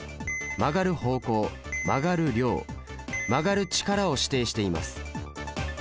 曲がる方向曲がる量曲がる力を指定しています。